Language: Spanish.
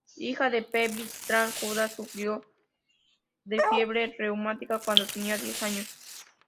Hija de Peggy y Stanley Juba, sufrió de fiebre reumática cuando tenía diez años.